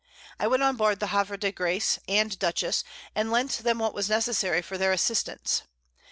I went on board the Havre de Grace and Dutchess, and lent them what was necessary for their Assistance.